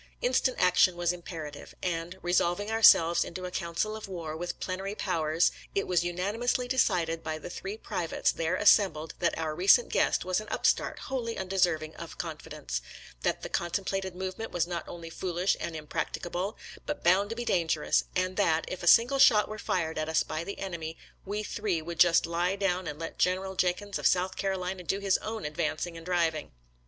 Instant action was imperative, and, resolving ourselves into a council of war with plenary powers, it was unanimously decided by the three privates there assembled that our recent guest was an upstart wholly undeserving of confidence; that the contemplated movement was not only foolish and impracticable, but bound to be dan gerous ; and that, if a single shot were fired at us by the enemy, we three would just lie down and let General Jenkins of South Carolina do his own advancing and driving.